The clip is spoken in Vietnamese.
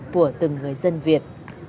của từng người dân việt